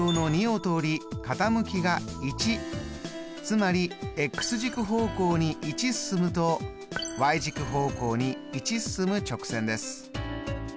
つまり軸方向に１進むとｙ軸方向に１進む直線です。